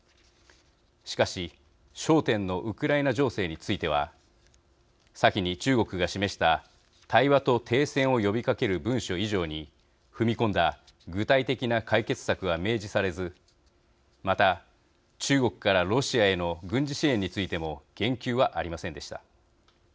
しかし、焦点のウクライナ情勢については先に中国が示した対話と停戦を呼びかける文書以上に踏み込んだ具体的な解決策は明示されずまた、中国からロシアへの軍事支援についても言及はありませんでした。